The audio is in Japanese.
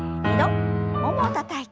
ももをたたいて。